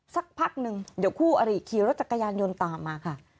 สักพักหนึ่งเดี๋ยวคู่อริขี่รถจักรยานยนต์ตามมาค่ะ